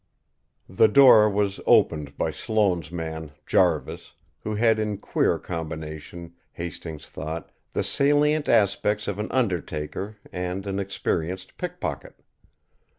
The door was opened by Sloane's man, Jarvis, who had in queer combination, Hastings thought, the salient aspects of an undertaker and an experienced pick pocket.